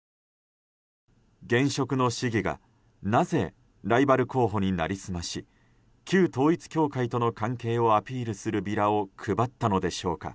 現職の市議がなぜライバル候補に成り済まし旧統一教会との関係をアピールするビラを配ったのでしょうか。